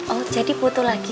oh jadi butuh lagi